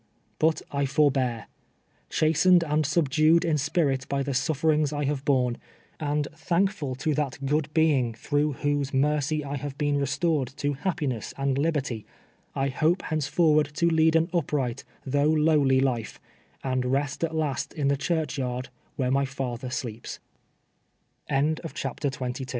But I forbear. Chastened and subdued in sj^irit by the sufferings I have borne, and thankful to that good Being through whose mer cy I have been restored to happiness and liberty, I hope henceforward to lead an upright though lowly life, and rest at last in the church yard where my fa th